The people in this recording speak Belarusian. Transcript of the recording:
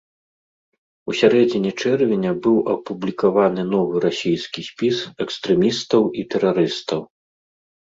У сярэдзіне чэрвеня быў апублікаваны новы расійскі спіс экстрэмістаў і тэрарыстаў.